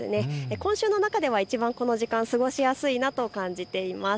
今週の中ではこの時間いちばん過ごしやすいなと感じています。